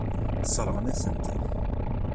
Sseṛɣen-asen-ten.